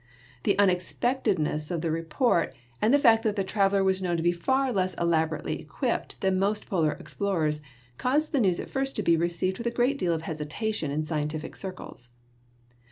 The unex pectedness of the report, and the fact that the traveler was known to be far less elaborately equipped than most Polar explorers, caused the news at first to be received with a great deal of hesitation in scientific circles.